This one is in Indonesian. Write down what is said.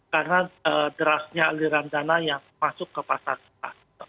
karena derasnya aliran dana yang masuk ke pasar kita